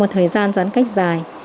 sau một thời gian giãn cách dài